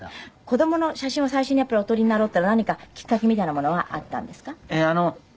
子供の写真を最初にお撮りになろうっていうのは何かきっかけみたいなものはあったんですか？